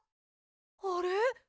あれ？